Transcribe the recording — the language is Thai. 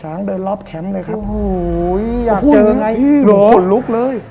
เดินรอบแคมป์เลยครับโอ้โหอยากเจอไงขนลุกเลย